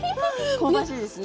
香ばしいですしね。